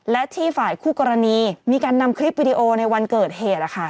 และที่ฝ่ายคู่กรณีมีการนำคลิปวิดีโอในวันเกิดเหตุ